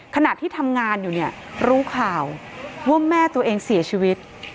ขณะที่ทำงานอยู่เนี่ยรู้ข่าวว่าแม่ตัวเองเสียชีวิต